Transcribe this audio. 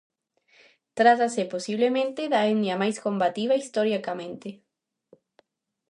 Trátase posiblemente da etnia máis combativa historicamente.